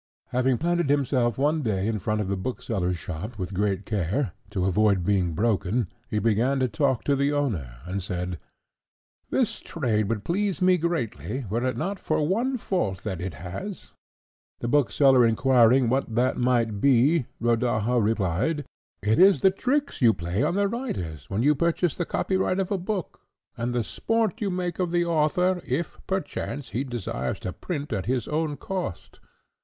Having planted himself one day in front of a bookseller's shop with great care, to avoid being broken, he began to talk to the owner, and said, "This trade would please me greatly, were it not for one fault that it has." The bookseller inquiring what that might be, Rodaja replied, "It is the tricks you play on the writers when you purchase the copyright of a book, and the sport you make of the author if, perchance, he desire to print at his own cost.